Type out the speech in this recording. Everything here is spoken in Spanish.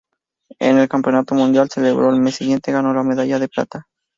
En el Campeonato Mundial, celebrado al mes siguiente, ganó la medalla de plata.